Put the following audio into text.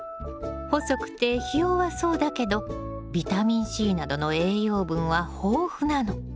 細くてひ弱そうだけどビタミンＣなどの栄養分は豊富なの。